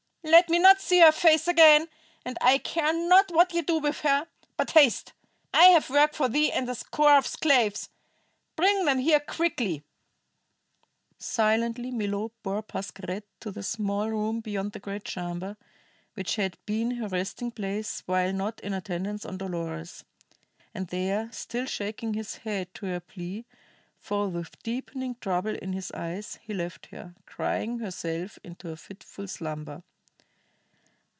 Let me not see her face again, and I care not what ye do with her. But haste. I have work for thee and a score of slaves. Bring them here quickly!" Silently Milo bore Pascherette to the small room beyond the great chamber, which had been her resting place while not in attendance on Dolores. And there, still shaking his head to her plea, though with deepening trouble in his eyes, he left her, crying herself into a fitful slumber.